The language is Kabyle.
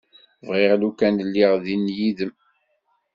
Bɣiɣ lukan lliɣ din yid-m.